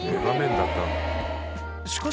しかし。